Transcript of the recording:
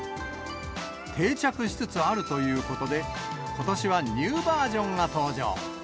定着しつつあるということで、ことしはニューバージョンが登場。